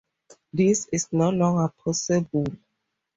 This is no longer possible.